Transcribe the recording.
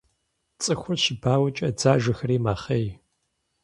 Цӏыхур щыбауэкӏэ дзажэхэри мэхъей.